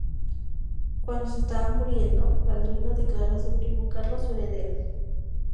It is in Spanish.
Cuando se estaba muriendo, Balduino declaró a su primo Carlos su heredero.